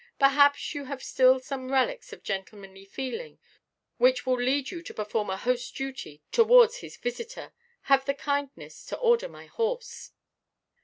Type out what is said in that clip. Perhaps you have still some relics of gentlemanly feeling which will lead you to perform a hostʼs duty towards his visitor. Have the kindness to order my horse."